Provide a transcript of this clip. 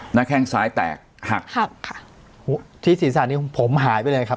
แข้งซ้ายแตกหักหักค่ะที่ศีรษะนี้ของผมหายไปเลยครับ